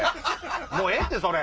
もうええってそれ。